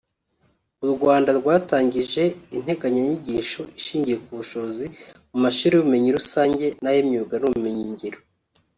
u Rwanda rwatangije integanyanyigisho ishingiye ku bushobozi mu mashuri y’ubumenyi rusange n’ay’imyuga n’ubumenyi ngiro